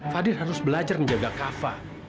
fadil harus belajar menjaga kafa